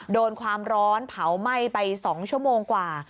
โดนความร้อนเผาไหม้ไป๒ชั่วโมงกว่า